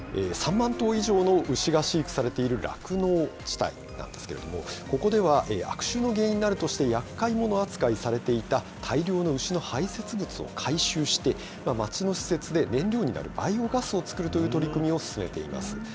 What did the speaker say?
３万頭以上の牛が飼育されている、酪農地帯なんですけれども、ここでは悪臭の原因になるとして、やっかい者扱いされていた大量の牛の排せつ物を回収して、町の施設で燃料になるバイオガスを作るという取り組みを進めています。